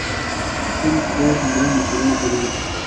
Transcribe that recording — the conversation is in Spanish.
Entonces Hube reorganizó las fuerzas bajo su mando.